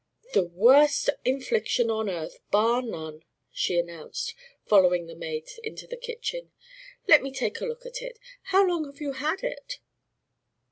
"The worst infliction on earth, bar none!" she announced, following the maid into the kitchen. "Let me take a look at it? How long have you had it?"